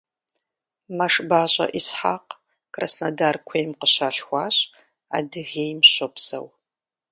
МэшбащӀэ Исхьэкъ Краснодар куейм къыщалъхуащ, Адыгейм щопсэу.